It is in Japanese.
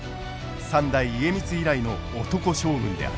三代家光以来の男将軍である。